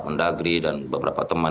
pak pendagri dan beberapa teman